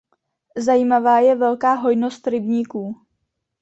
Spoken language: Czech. Zajímavá je velká hojnost rybníků.